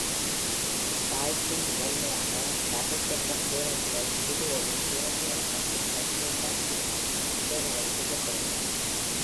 Sai Kung முதன்மையாக double decker பேருந்துகள், பொது ஒளி பேருந்துகள் மற்றும் பச்சை டாக்ஸிகளால் சேவைகள் செய்யப்படுகிறது.